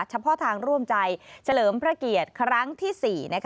เฉพาะทางร่วมใจเฉลิมพระเกียรติครั้งที่๔